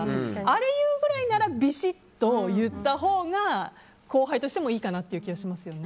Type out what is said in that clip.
あれ言うぐらいならビシッと言ったほうが後輩としてもいいかなって気がしますね。